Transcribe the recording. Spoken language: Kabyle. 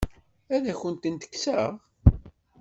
Ad akent-ten-kkseɣ?